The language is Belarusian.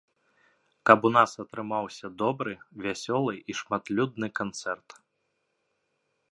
Каб у нас атрымаўся добры, вясёлы і шматлюдны канцэрт.